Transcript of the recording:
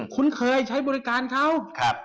คุ้นเคยใช้บริการเขา